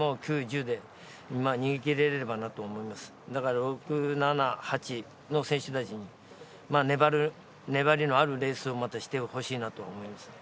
６、７、８の選手に粘りのあるレースをまたしてほしいなと思います。